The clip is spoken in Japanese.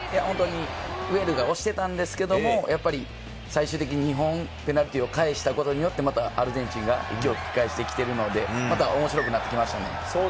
ウェールズが押していたんですけれども、最終的にペナルティーを返したことによってアルゼンチンが息を吹き返してきているので、面白くなってきましたね。